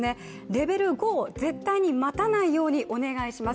レベル５を絶対に待たないようにお願いします。